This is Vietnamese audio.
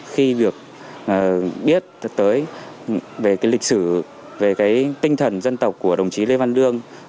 khi được biết tới về cái lịch sử về cái tinh thần dân tộc của đồng chí lê văn đương